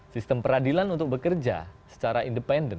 sistem peradilan untuk bekerja secara independen